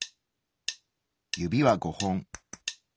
指は５本。